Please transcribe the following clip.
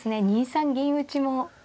２三銀打も。